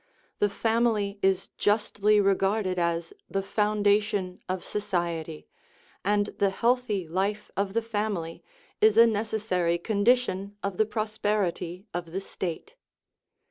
The family is justly regarded as the " foundation of society/' and the healthy life of the family is a necessary condition of the prosperity of the State.